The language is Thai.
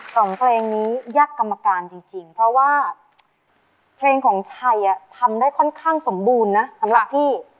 สองเพลงนี้ยากกรรมการจริงจริงเพราะว่าเพลงของชัยทำได้ค่อนข้างสมบูรณ์นะสำหรับพี่